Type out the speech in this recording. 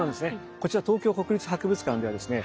こちら東京国立博物館ではですね